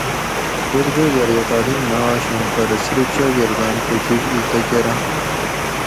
اردو زریعہ تعلیم نہ آشاں پرہ صِرف شاۤگرداۤن کۤہ جِب اِزدہ کۤراۤں